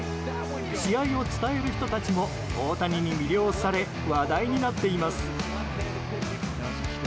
試合を伝える人たちも大谷に魅了され話題になっています。